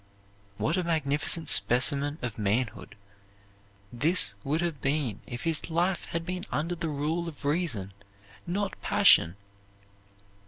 What a magnificent specimen of manhood this would have been if his life had been under the rule of reason, not passion!